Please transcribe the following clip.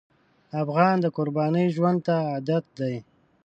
افغان د قربانۍ ژوند ته عادت دی.